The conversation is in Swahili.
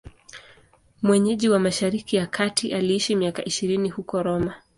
Mwenyeji wa Mashariki ya Kati, aliishi miaka ishirini huko Roma.